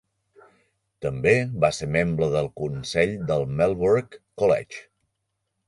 També va ser membre del Consell del Marlborough College.